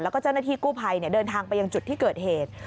และจะลงที่กู้ภัยเดินทางไปที่เกิดเหตุ